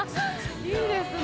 いいですね。